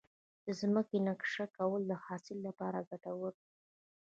د ځمکې نقشه کول د حاصل لپاره ګټور دي.